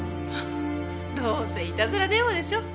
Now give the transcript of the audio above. どうせいたずら電話でしょ。